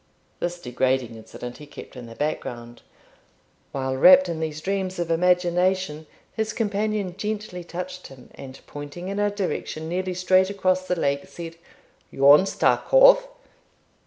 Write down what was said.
this degrading incident he kept in the background. While wrapt in these dreams of imagination, his companion gently touched him, and, pointing in a direction nearly straight across the lake, said, 'Yon's ta cove.'